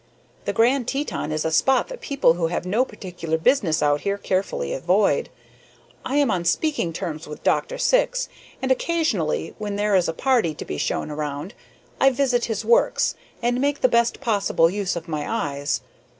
The Grand Teton is a spot that people who have no particular business out here carefully avoid. I am on speaking terms with Dr. Syx, and occasionally, when there is a party to be shown around, I visit his works, and make the best possible use of my eyes.